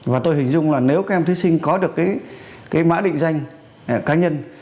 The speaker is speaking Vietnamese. và tôi hình dung là nếu các em thí sinh có được cái mã định danh cá nhân